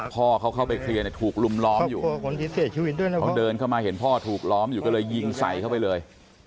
พ่อเขาเข้าไปเคลียร์เนี่ยถูกลุมล้อมอยู่เขาเดินเข้ามาเห็นพ่อถูกล้อมอยู่ก็เลยยิงใส่เข้าไปเลย